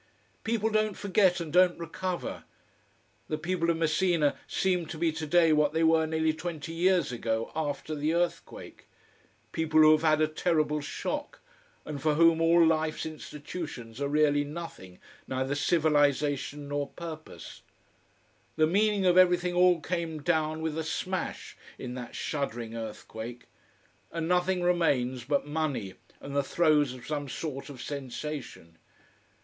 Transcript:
People don't forget and don't recover. The people of Messina seem to be today what they were nearly twenty years ago, after the earthquake: people who have had a terrible shock, and for whom all life's institutions are really nothing, neither civilization nor purpose. The meaning of everything all came down with a smash in that shuddering earthquake, and nothing remains but money and the throes of some sort of sensation.